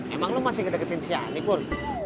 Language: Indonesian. emang lo masih kedeketin si ani pur